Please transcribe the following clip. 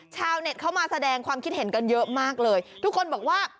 ชาวเน็ตเข้ามาแสดงความคิดเห็นกันเยอะมากเลยทุกคนบอกว่า